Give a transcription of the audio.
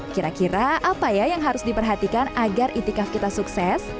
kira kira apa ya yang harus diperhatikan agar itikaf kita sukses